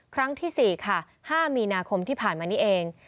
ครั้งที่๔ค่ะ๕มีนาคมที่ผ่านมานี้เอง